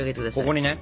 ここにね。